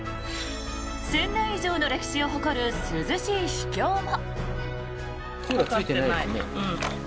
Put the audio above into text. １０００年以上の歴史を誇る涼しい秘境も。